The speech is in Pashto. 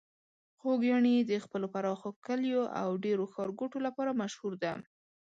خوږیاڼي د خپلو پراخو کليو او ډیرو ښارګوټو لپاره مشهور ده.